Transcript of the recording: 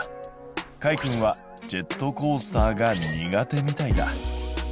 かいくんはジェットコースターが苦手みたいだ。